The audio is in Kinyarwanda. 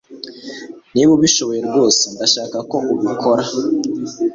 Niba ubishoboye rwose, ndashaka ko ubikora.